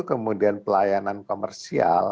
kemudian pelayanan komersial